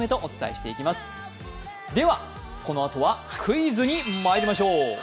このあとはクイズにまいりましょう。